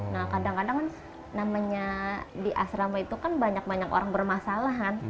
nah kadang kadang kan di asrama itu kan banyak banyak orang bermasalahan